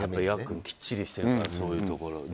ヤックン、きっちりしてるからそういうところ。